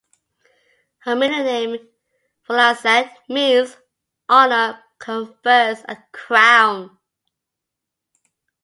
Her middle name, Folasade, means "honour confers a crown".